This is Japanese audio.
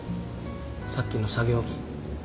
さっきの作業着。